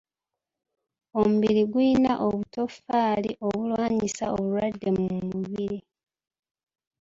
Omubiri gulina obutofaali obulwanyisa obulwadde mu mubiri.